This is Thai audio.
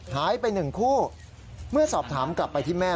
หายไปหนึ่งคู่เมื่อสอบถามกลับไปที่แม่